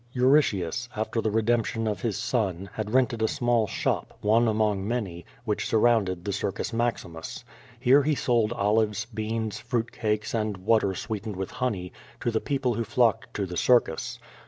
Euritius, after the redemption of his son, had rented a small shop^ one among many, which surrounded the Circus Maximus. Here he sold olives, beans, fruit cakes and water sweetened with honey, to the people who flocked to the circus.